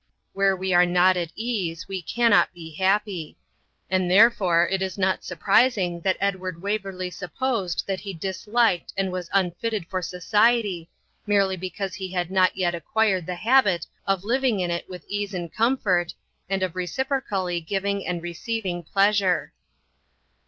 Where we are not at ease, we cannot be happy; and therefore it is not surprising that Edward Waverley supposed that he disliked and was unfitted for society, merely because he had not yet acquired the habit of living in it with ease and comfort, and of reciprocally giving and receiving pleasure.